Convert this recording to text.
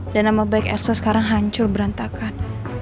dan nama baik elsa sekarang hancur berantakan